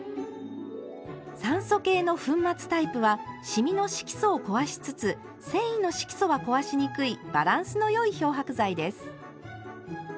酸素系の粉末タイプはシミの色素を壊しつつ繊維の色素は壊しにくいバランスのよい漂白剤です。